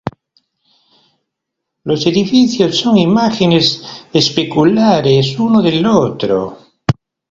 Los edificios son imágenes especulares uno del otro.